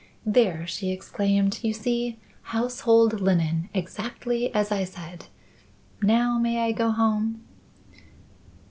"There," she exclaimed, "you see! Household linen exactly as I said. Now may I go home?"